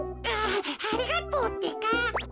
ありがとうってか。